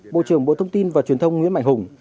bộ trưởng bộ thông tin và truyền thông nguyễn mạnh hùng